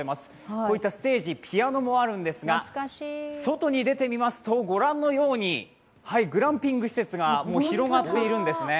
こういったステージ、ピアノもあるんですが、外に出てみますと、ご覧のようにグランピング施設が広がっているんですね。